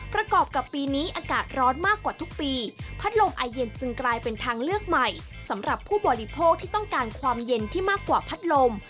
ประกอบกับปีนี้อากาศร้อนมากกว่าทุกปีพัดลมไอเย็นจึงกลายเป็นทางเลือกใหม่สำหรับผู้บริโภคที่ต้องการความเย็นที่มากกว่าพัดลม